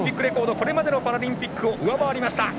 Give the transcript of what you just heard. これまでのパラリンピックを上回りました。